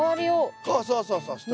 そうそうそうそう一回り。